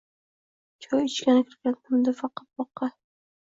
Choy ichgani kirgandim-da boqqa.